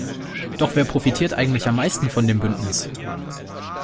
Doch wer profitiert eigentlich am meisten von dem Bündnis?